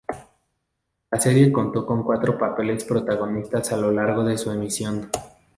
La serie contó con cuatro papeles protagonistas a lo largo de su emisión.